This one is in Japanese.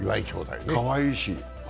かわいいし。